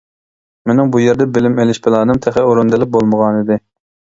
مېنىڭ بۇ يەردە بىلىم ئېلىش پىلانىم تېخى ئورۇندىلىپ بولمىغانىدى.